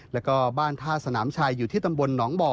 แล้วก็บ้านท่าสนามชัยอยู่ที่ตำบลหนองบ่อ